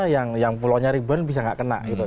yang pulau ribuan bisa nggak kena